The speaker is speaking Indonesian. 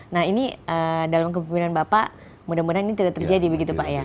nah ini dalam kepemimpinan bapak mudah mudahan ini tidak terjadi begitu pak ya